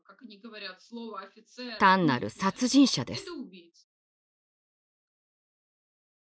単なる殺人者です。